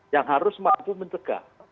yang harus maju mencegah